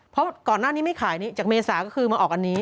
เพราะก่อนหน้านี้ไม่ขายจากเมษาก็คือมาออกอันนี้